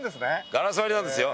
ガラス張りなんですよ。